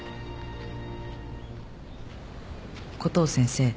「コトー先生。